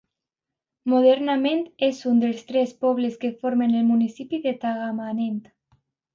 Modernament és un dels tres pobles que formen el municipi de Tagamanent.